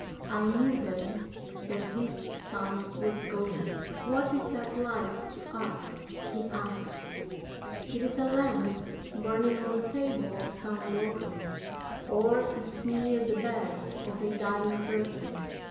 I knew then that his sight was going. "What is that light to us?" he asked; "it is a lamp burning on the table of some worker, or it's near the bed of a dying person.